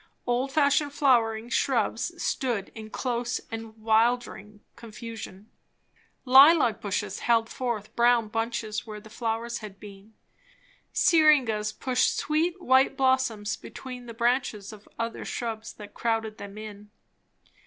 Old fashioned flowering shrubs stood in close and wildering confusion. Lilac bushes held forth brown bunches where the flowers had been. Syringas pushed sweet white blossoms between the branches of other shrubs that crowded them in.